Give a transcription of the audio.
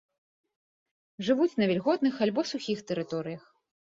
Жывуць на вільготных альбо сухіх тэрыторыях.